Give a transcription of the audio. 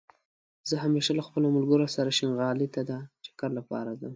زه همېشه له خپلو ملګرو سره شينغالى ته دا چکر لپاره ځم